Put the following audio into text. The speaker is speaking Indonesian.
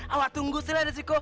awak tunggu sih rek